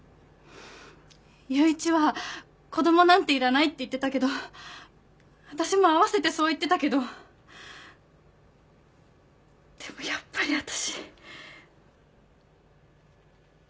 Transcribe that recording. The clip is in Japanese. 祐一は子供なんていらないって言ってたけど私も合わせてそう言ってたけどでもやっぱり私。